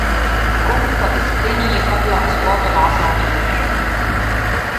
قم فاسقني قبل أصوات العصافير